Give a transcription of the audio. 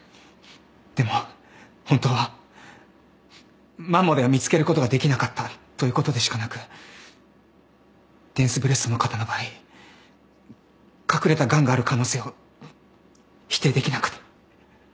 でも本当はマンモでは見つけることができなかったということでしかなくデンスブレストの方の場合隠れたがんがある可能性を否定できなくて。